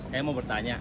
saya mau bertanya